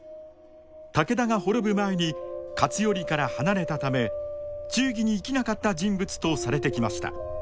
武田が滅ぶ前に勝頼から離れたため忠義に生きなかった人物とされてきました。